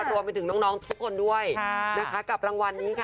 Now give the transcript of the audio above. รวมไปถึงน้องทุกคนด้วยนะคะกับรางวัลนี้ค่ะ